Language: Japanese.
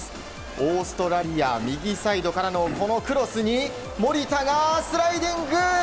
オーストラリア、右サイドからのこのクロスに守田がスライディング！